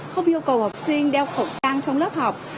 không yêu cầu học sinh đeo khẩu trang trong lớp học